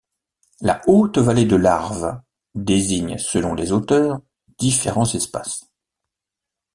La haute-vallée de l'Arve désigne selon les auteurs différents espaces.